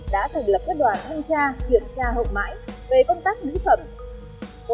đã thành lập kết đoàn tham tra kiểm tra hậu mãi